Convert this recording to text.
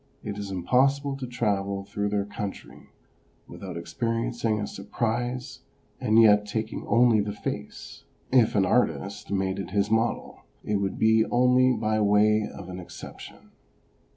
It is impossible to travel through their country without ex periencing a surprise, and yet, taking only the face, if an 326 OBERMANN artist made it his model, it would be only by way of an exception.